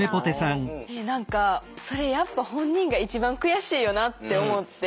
それやっぱ本人が一番悔しいよなって思って。